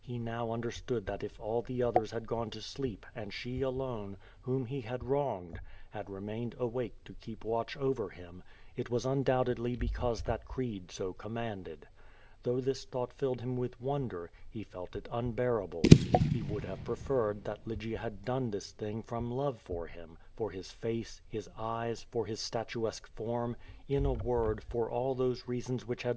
He now understood that if all the others had gone to sleep and she alone, whom he had wronged, had remained awake to keep watch over him, it was undoubtedly because that creed so commanded. Thougli this thought filled him with wonder, he felt it un bearable. He would have preferred that Lygia had done this thing from h)ve for him, for his face, his eyes, for his statuesque form — iu a word^ for all those reasons which had 202 Q^O VADIS.